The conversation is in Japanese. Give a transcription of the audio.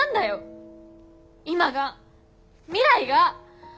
今が未来が。